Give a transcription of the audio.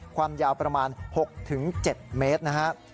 ความยาวประมาณ๖๗เมตรนะครับ